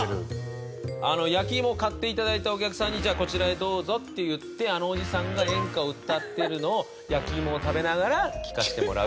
焼きイモを買って頂いたお客さんに「じゃあこちらへどうぞ」って言ってあのおじさんが演歌を歌ってるのを焼きイモを食べながら聴かせてもらうっていう。